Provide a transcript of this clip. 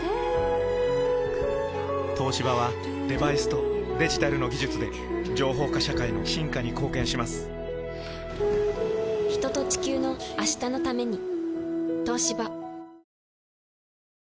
東芝はデバイスとデジタルの技術で情報化社会の進化に貢献します人と、地球の、明日のために。